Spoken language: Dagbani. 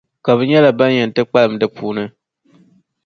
ka bɛ nyɛla ban yɛn ti kpalim di puuni,